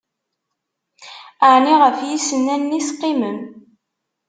Ɛni, ɣef yisennanen i teqqimem?